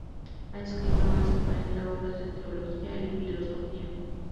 Ha escrito más de cuarenta obras de teología y filosofía.